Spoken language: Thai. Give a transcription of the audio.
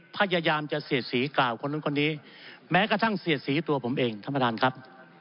พยายามจะเสียดสีกล่าวคนนู้นคนนี้แม้กระทั่งเสียดสีตัวผมเองท่านประธานครับ